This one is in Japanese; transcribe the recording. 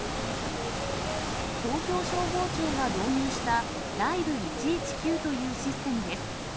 東京消防庁が導入したＬｉｖｅ１１９というシステムです。